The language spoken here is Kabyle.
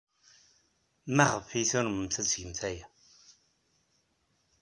Maɣef ay turmemt ad tgemt aya?